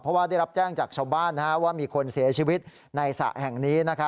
เพราะว่าได้รับแจ้งจากชาวบ้านว่ามีคนเสียชีวิตในสระแห่งนี้